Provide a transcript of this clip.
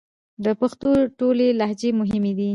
د پښتو ټولې لهجې مهمې دي